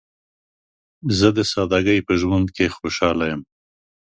زه د سادګۍ په ژوند کې خوشحاله یم.